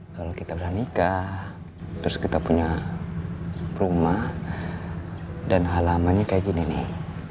kalau kita beranikah terus kita punya rumah dan halamannya kayak gini nih